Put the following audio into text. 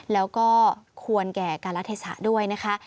แล้วก็ควรแก่การรัฐเทศะด้วยนะคะ